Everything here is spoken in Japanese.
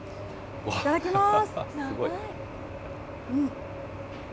いただきます。